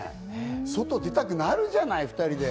外でたくなるじゃない、２人で。